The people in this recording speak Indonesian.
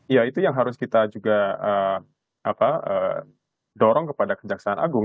ya itu yang harus kita juga dorong kepada kejaksaan agung